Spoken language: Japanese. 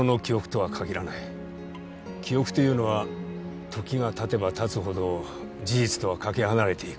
記憶というのは時が経てば経つほど事実とはかけ離れていく。